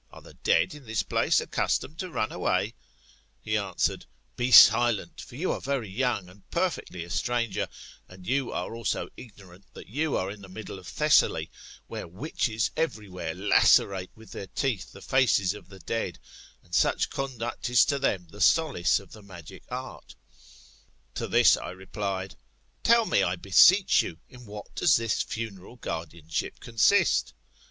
Are die dead in this place accustomed to run away ? He answered. 98 THE BfETAMORPHOSIS, OR Be Silent : For you are very young, and perfeetly a stranger, and you are also ignorant that you are in the middle of Thessaly, where witches every where lacerate with their teeth the faces of the dead, and such conduct is to them the solace of the magic art To this I replied, Tell me, I heseech you, in what does this funeral guardianship consist?